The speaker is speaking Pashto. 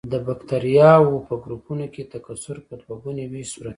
د بکټریاوو په ګروپونو کې تکثر په دوه ګوني ویش صورت نیسي.